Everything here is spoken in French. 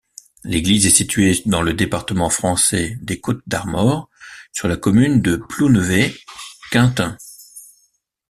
L'église est située dans le département français des Côtes-d'Armor, sur la commune de Plounévez-Quintin.